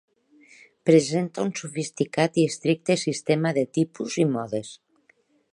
Presenta un sofisticat i estricte sistema de tipus i modes.